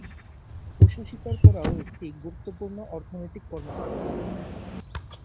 পশু শিকার করাও একটি গুরুত্বপূর্ণ অর্থনৈতিক কর্মকাণ্ড।